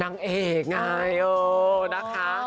นางเอกไงนะคะ